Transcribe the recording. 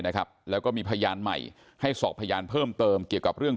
นะครับแล้วก็มีพยานใหม่ให้สอบพยานเพิ่มเติมเกี่ยวกับเรื่อง